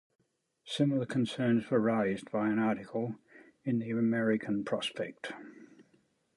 Similar concerns were raised by an article in "The American Prospect".